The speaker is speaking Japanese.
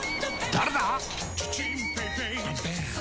誰だ！